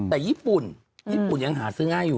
แต่ญี่ปุ่นยังหาซื้อง่ายอยู่